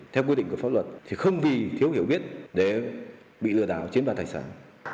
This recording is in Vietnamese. theo quy định của pháp luật thì không vì thiếu hiểu biết để bị lừa đảo chiếm đoạt tài sản